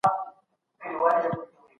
څېړونکي د تخلیقي ادب تفسیر کوي.